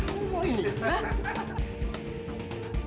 kamu mau ini hah